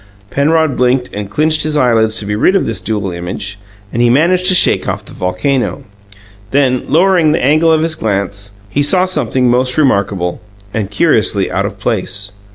Penrod blinked and clinched his eyelids to be rid of this dual image, and he managed to shake off the volcano. Then, lowering the angle of his glance, he saw something most remarkable and curiously out of place.